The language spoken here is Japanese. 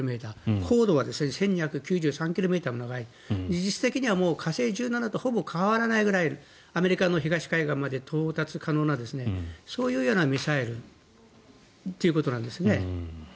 高度は１２９３ｋｍも長い技術的には火星１７とほぼ変わらないくらいアメリカの東海岸まで到達可能なそういうようなミサイルということなんですね。